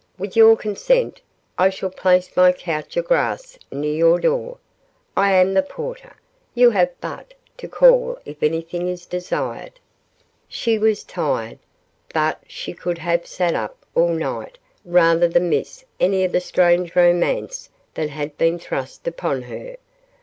With your consent, I shall place my couch of grass near your door. I am the porter. You have but to call if anything is desired." She was tired, but she would have sat up all night rather than miss any of the strange romance that had been thrust upon her.